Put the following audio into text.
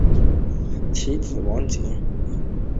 其子王景。